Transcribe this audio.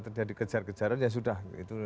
terjadi kejar kejaran ya sudah